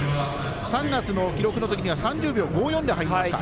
３月の記録のときには３０秒５４で入りました。